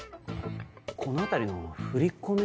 この辺りの振り込め